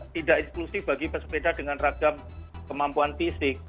tidak inklusif bagi pesepeda dengan ragam kemampuan fisik